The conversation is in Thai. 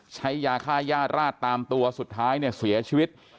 ใช้ยาค่าย่าราดตามตัวสุดท้ายเนี่ยเสียชีวิต